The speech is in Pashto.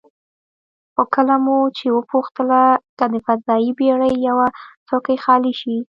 خو کله مو چې وپوښتله که د فضايي بېړۍ یوه څوکۍ خالي شي،